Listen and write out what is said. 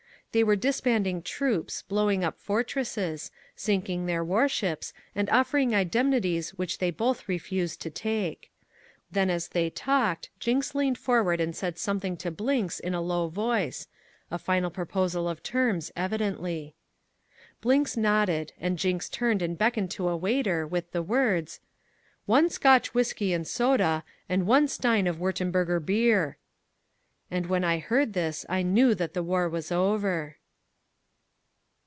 They were disbanding troops, blowing up fortresses, sinking their warships and offering indemnities which they both refused to take. Then as they talked, Jinks leaned forward and said something to Blinks in a low voice, a final proposal of terms evidently. Blinks nodded, and Jinks turned and beckoned to a waiter, with the words, "One Scotch whiskey and soda, and one stein of Wurtemburger Bier " And when I heard this, I knew that the war was over.